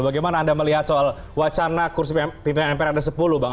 bagaimana anda melihat soal wacana kursi pimpinan mpr ada sepuluh bang